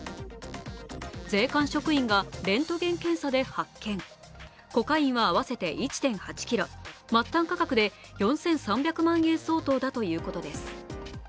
税関職員がレントゲン検査で発見コカインは合わせて１．８ｋｇ、末端価格で４３００万円相当だということです。